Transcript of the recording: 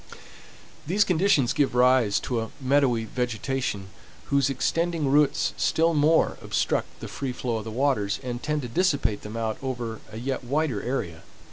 These conditions give rise to a meadowy vegetation, whose extending roots still more obstruct the free flow of the waters, and tend to dissipate them out over a yet wider area.